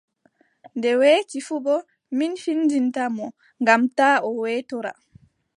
Nde weeti fuu boo, min findinta mo, ngam taa o weetora!